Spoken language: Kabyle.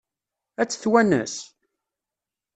Ad tt-twanes?